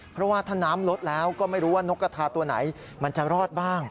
เพราะว่าถ้าน้ำลดแล้วก็ไม่รู้ว่านกกระทาตัวไหนมันจะรอดบ้าง